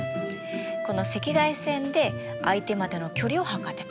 この赤外線で相手までの距離を測ってた。